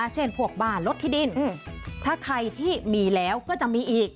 เช่นพวกบ้านรถที่ดินถ้าใครที่มีแล้วก็จะมีอีก